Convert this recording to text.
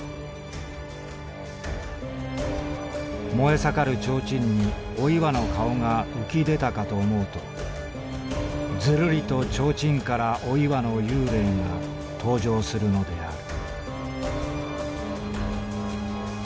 「燃え盛る提灯にお岩の顔が浮き出たかと思うとズルリと提灯からお岩の幽霊が登場するのである」。